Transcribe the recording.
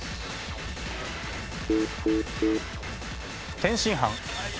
天津飯。